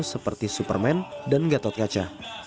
seperti superman dan gatot kaca